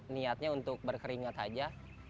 niatnya untuk berkeringat saja